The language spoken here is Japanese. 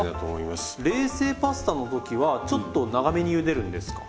冷製パスタの時はちょっと長めにゆでるんですか？